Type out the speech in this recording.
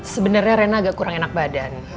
sebenarnya rena agak kurang enak badan